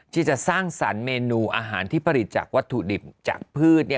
ที่จะสร้างสรรค์เมนูอาหารที่ผลิตจากวัตถุดิบจากพืช